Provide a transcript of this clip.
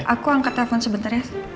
aku angkat telfon sebentar ya